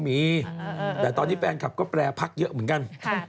มีแต่ตอนนี้แฟนคลับก็แปรพักเยอะเหมือนกัน